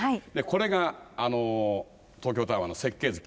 これがあの東京タワーの設計図。